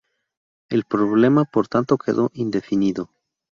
El problema por tanto quedó indefinido.